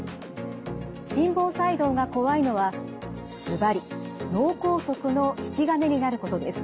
心房細動が怖いのはずばり脳梗塞の引き金になることです。